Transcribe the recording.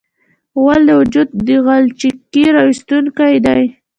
غول د وجود غلچکي راایستونکی دی.